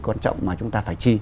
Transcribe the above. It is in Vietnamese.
quan trọng mà chúng ta phải chi